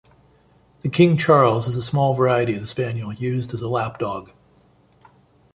The King Charles is a small variety of the spaniel used as a lapdog.